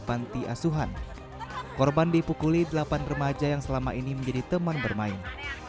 panti asuhan korban dipukuli delapan remaja yang selama ini menjadi teman bermain